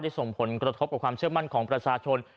ส่งผลกระทบกับความเชื่อมั่นของประชาชน